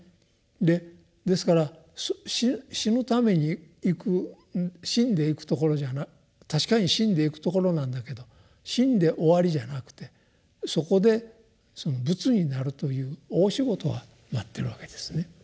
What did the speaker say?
ですから死ぬためにいく死んでいくところじゃなく確かに死んでいくところなんだけど死んで終わりじゃなくてそこでその仏になるという大仕事が待っているわけですね。